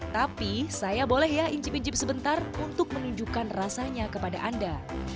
tapi saya boleh ya incip incip sebentar untuk menunjukkan rasanya kepada anda